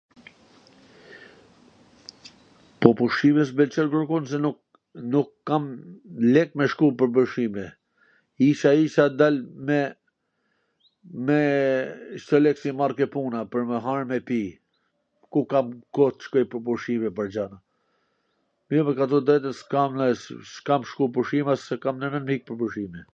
Po pushime s mw pwlqen kurrkun se nuk kam lek me shku pwr pushime, me kto lek qw marr ke puna pwr me hangwr me pi, ku kam koh t shkoj pwr pushime, xhanwm? Jo, me kallzu t drejtwn s kamw, s kam shku pushime as kam ndwr mwnd tw ik me pushime